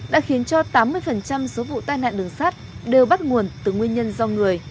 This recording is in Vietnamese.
đã khiến cho tám mươi số vụ tai nạn đường sắt đều bắt nguồn từ nguyên nhân do người